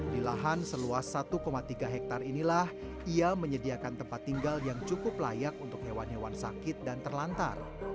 di lahan seluas satu tiga hektare inilah ia menyediakan tempat tinggal yang cukup layak untuk hewan hewan sakit dan terlantar